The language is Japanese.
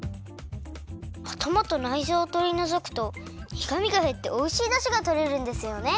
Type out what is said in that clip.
あたまとないぞうをとりのぞくとにがみがへっておいしいだしがとれるんですよね？